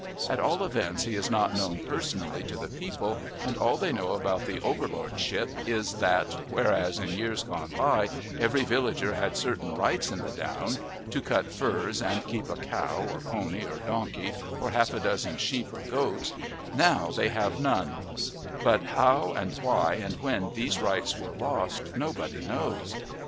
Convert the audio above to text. At all events he is not known personally to the people, and all they know about the overlordship is that, whereas in years gone by every villager had certain rights in the down to cut furze and keep a cow, or pony, or donkey, or half a dozen sheep or goats now they have none; but how and why and when these rights were lost nobody knows.